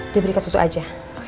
diberikan susu aja